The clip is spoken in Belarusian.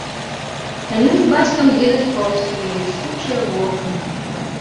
Яны з бацькам едуць паўз тыя бліскучыя вокны.